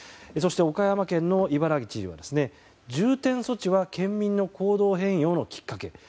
そして岡山県の伊原木知事は重点措置は県民の行動変容のきっかけ。